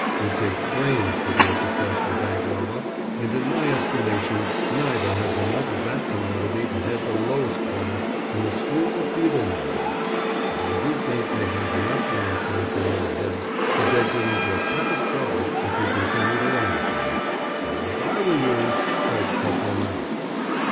It takes brains to be a successful bank robber, and in my estimation neither has enough of that commodity to head the lowest class in a school for feeble minded. But I do think they have enough nonsense in their heads to get you into a peck of trouble if you continue to run with them, so if I were you I'd cut them out.